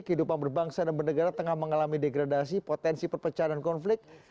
kehidupan berbangsa dan bernegara tengah mengalami degradasi potensi perpecahan konflik